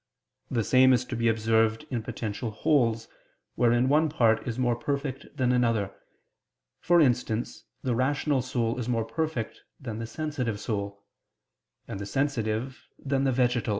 The same is to be observed in potential wholes, wherein one part is more perfect than another; for instance, the rational soul is more perfect than the sensitive soul; and the sensitive, than the vegetal.